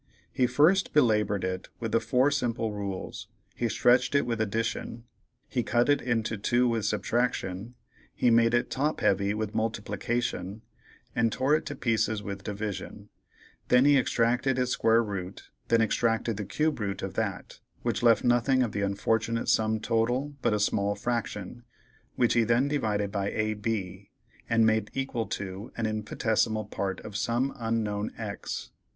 He first belabored it with the four simple rules; he stretched it with Addition; he cut it in two with Subtraction; he made it top heavy with Multiplication, and tore it to pieces with Division—then he extracted its square root; then extracted the cube root of that, which left nothing of the unfortunate sum total but a small fraction, which he then divided by ab, and made "equal to" an infinitesimal part of some unknown x.